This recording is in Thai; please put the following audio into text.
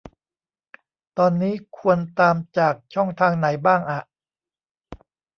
ตอนนี้ควรตามจากช่องทางไหนบ้างอะ ?